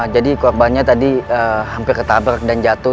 jadi korbannya tadi hampir ketabrak dan jatuh